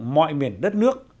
mọi miền đất nước